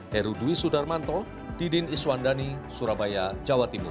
heru dwi sudarmanto didin iswandani surabaya jawa timur